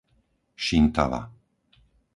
Šintava